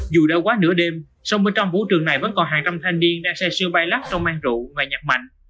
dù đã quá nửa đêm sông bên trong vũ trường này vẫn còn hàng trăm thanh niên đang xe siêu bay lắp trong mang rượu và nhạc mạnh